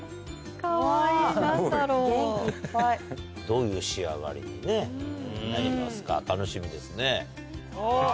どういう仕上がりになりますか楽しみですね。